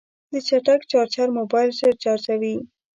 د چټک چارجر موبایل ژر چارجوي.